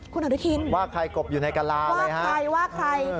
คุณอนุทินว่าใครกบอยู่ในการรามเลยฮะว่าใครว่าใคร